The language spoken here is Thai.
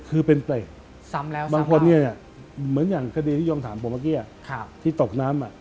คือเป็นไปบางคนอย่างคดีที่ย้องถามผมเมื่อกี้ที่ตกน้ำ